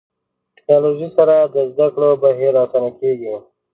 ټکنالوژي سره د زده کړو بهیر اسانه کېږي.